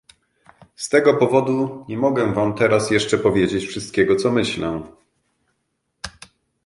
"Z tego powodu nie mogę wam teraz jeszcze powiedzieć wszystkiego, co myślę."